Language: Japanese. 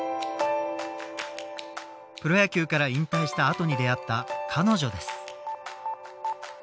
プロ野球から引退したあとに出会った彼女です。